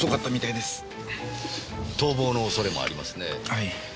はい。